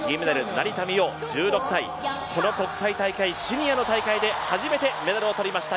成田実生、１６歳この国際大会、シニアの大会で初めてメダルをとりました